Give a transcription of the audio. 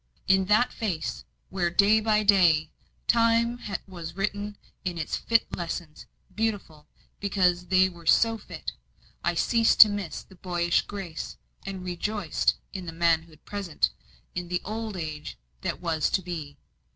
In that face, where day by day Time was writing its fit lessons beautiful, because they were so fit I ceased to miss the boyish grace, and rejoiced in the manhood present, in the old age that was to be.